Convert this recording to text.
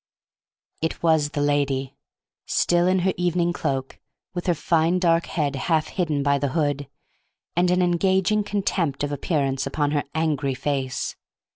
It was the lady, still in her evening cloak, with her fine dark head half hidden by the hood, and an engaging contempt of appearances upon her angry face.